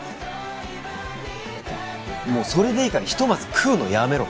もうそれでいいからひとまず食うのやめろ